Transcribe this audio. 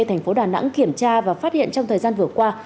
thành phố đà nẵng kiểm tra và phát hiện trong thời gian vừa qua